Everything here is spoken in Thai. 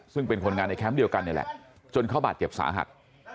ซึ่งเป็นคนงานในแคมป์เดียวกันนี่แหละจนเขาบาดเจ็บสาหัส